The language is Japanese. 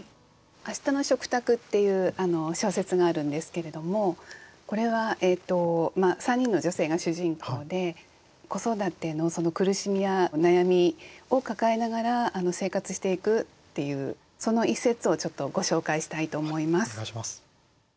「明日の食卓」っていう小説があるんですけれどもこれは３人の女性が主人公で子育ての苦しみや悩みを抱えながら生活していくっていうその一節をちょっとご紹介したいと思います。